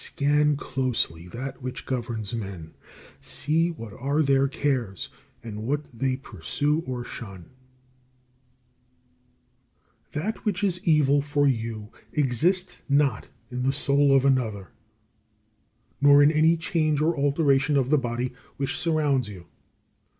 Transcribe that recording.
38. Scan closely that which governs men; see what are their cares, and what they pursue or shun. 39. That which is evil for you exists not in the soul of another; nor in any change or alteration of the body which surrounds you.